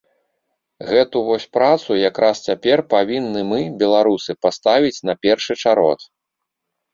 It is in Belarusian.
Гэту вось працу якраз цяпер павінны мы, беларусы, паставіць на першы чарод.